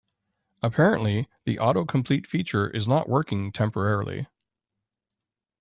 Apparently, the autocomplete feature is not working temporarily.